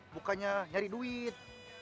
bukannya nyari duit